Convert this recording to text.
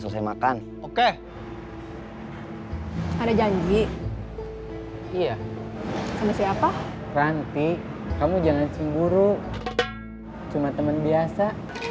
selesai makan oke ada janji iya sama siapa nanti kamu jangan cemburu cuma teman biasa